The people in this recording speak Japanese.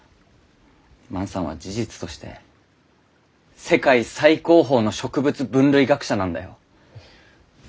万さんは事実として世界最高峰の植物分類学者なんだよ。